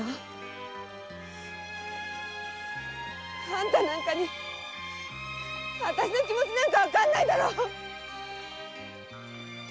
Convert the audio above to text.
あんたになんかあたしの気持ちなんてわかんないだろ。